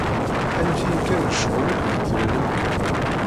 Anef-iyi kan lecɣal akk beddlen amkan.